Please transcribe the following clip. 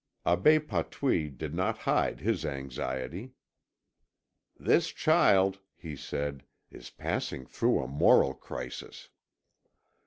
Abbé Patouille did not hide his anxiety. "This child," he said, "is passing through a moral crisis."